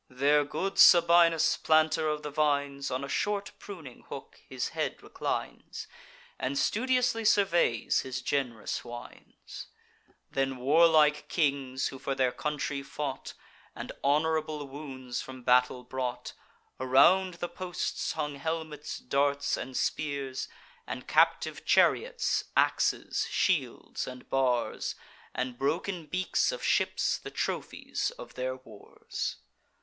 There good Sabinus, planter of the vines, On a short pruning hook his head reclines, And studiously surveys his gen'rous wines; Then warlike kings, who for their country fought, And honourable wounds from battle brought. Around the posts hung helmets, darts, and spears, And captive chariots, axes, shields, and bars, And broken beaks of ships, the trophies of their wars.